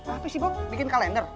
apa sih bu bikin kalender